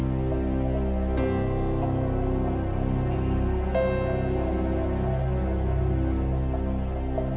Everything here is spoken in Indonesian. aku versi ini buat kamu bersih bersih